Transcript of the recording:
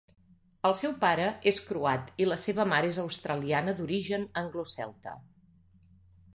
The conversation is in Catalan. El seu pare és croat i la seva mare és australiana d'origen anglo-celta.